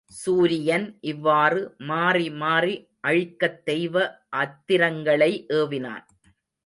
சூரியன் இவ்வாறு மாறி மாறி அழிக்கத் தெய்வ அத்திரங்களை ஏவினான்.